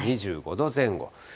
２５度前後。